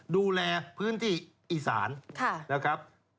ดูแลพื้นที่อีสานนะครับ